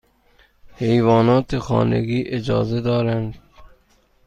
حیوانات خانگی اجازه دارند؟